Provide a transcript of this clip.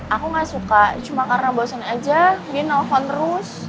aku gak suka cuma karena bosen aja dia nelfon terus